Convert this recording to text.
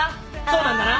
そうなんだな？